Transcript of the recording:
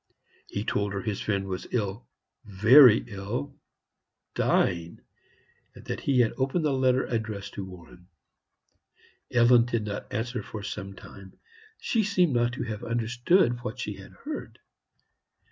He told her his friend was ill very ill dying and that he had opened the letter addressed to Warren. Ellen did not answer for some time; she seemed not to have understood what she had heard.